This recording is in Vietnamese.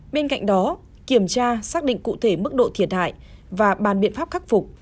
bên cạnh đó kiểm tra xác định cụ thể mức độ thiệt hại và bàn biện pháp khắc phục